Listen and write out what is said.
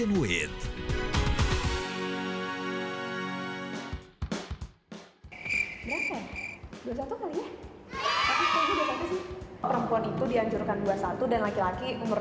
perempuan itu dianjurkan dua puluh satu dan laki laki umur dua puluh lima